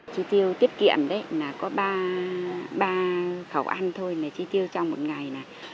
chi tiêu tiết kiệm là có ba khẩu ăn thôi là chi tiêu trong một ngày này